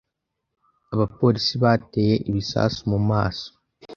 Abapolisi bateye ibisasu mu maso.